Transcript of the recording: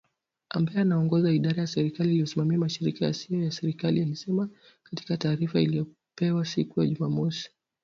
Ambaye anaongoza idara ya serikali inayosimamia mashirika yasiyo ya kiserikali, alisema katika taarifa iliyopewa siku ya Jumamosi